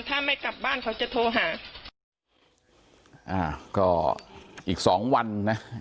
อ่าก็อีกสองวันนะ